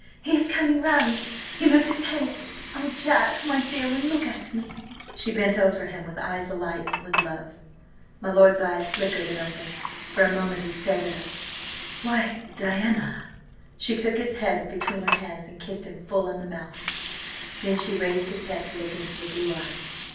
"He is coming round! He moved his head! Oh, Jack, my dear one, look at me!" She bent over him with eyes alight with love. My lord's eyelids flickered and opened, For a moment he stared at her. "Why–Diana!" She took his head between her hands and kissed him full on the mouth. Then she raised his head to look into the blue eyes.